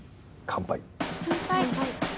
乾杯。